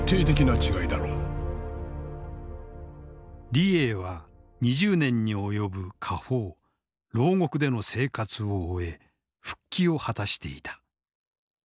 李鋭は２０年に及ぶ下放牢獄での生活を終え復帰を果たしていた。